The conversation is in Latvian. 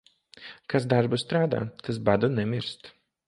Kas darbu strādā, tas badu nemirst.